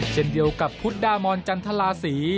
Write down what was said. เช่นเดียวกับพุทธดามอนจันทราศรี